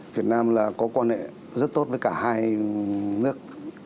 việt nam là có quan hệ rất tốt với cả hai nước